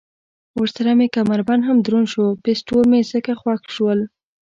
ورسره مې کمربند هم دروند شو، پېسټول مې ځکه خوښ شول.